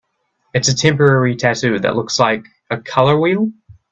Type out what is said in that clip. It's a temporary tattoo that looks like... a color wheel?